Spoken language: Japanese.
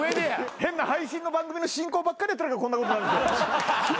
変な配信の番組の進行ばっかりやってるからこんなことになる。